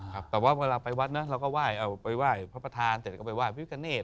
แต่ว่าเวลาไปวัดเนี่ยเราก็ไปไหว้พระประธานเต็ดก็ไปไหว้พี่พิกเกณฑ์